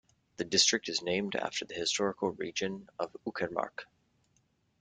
The district is named after the historical region of Uckermark.